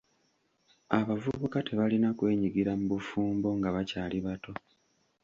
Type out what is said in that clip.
Abavubuka tebalina kwenyigira mu bufumbo nga bakyali bato.